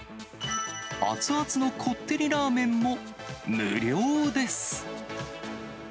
熱々のこってりラーメンも無料です。